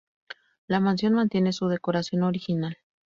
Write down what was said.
La mansión mantiene su decoración original.